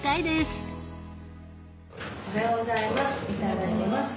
おはようございます。